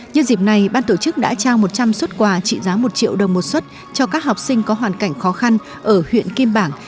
nhân dịp này ban tổ chức đã trao một trăm linh xuất quà trị giá một triệu đồng một xuất cho các học sinh có hoàn cảnh khó khăn ở huyện kim bảng